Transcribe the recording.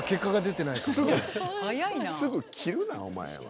すぐ切るなお前は。